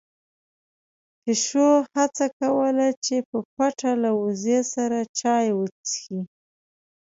پيشو هڅه کوله چې په پټه له وزې سره چای وڅښي.